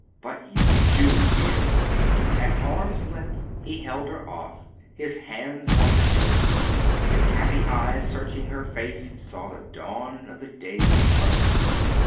But you do, dear!" At arms' length he held her off, his hands on her shoulders. His happy eyes searching her face saw the dawn of the dazed, question.